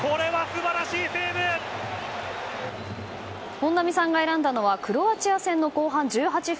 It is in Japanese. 本並さんが選んだのはクロアチア戦の後半１８分。